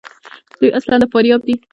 دوی اصلاُ د فاریاب دي.